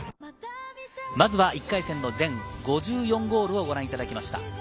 まずは１回戦の全５４ゴールをご覧いただきました。